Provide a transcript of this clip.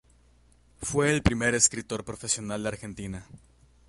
Fue el primer escritor profesional de Argentina.